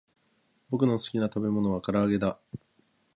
ぼくのすきなたべものはからあげだ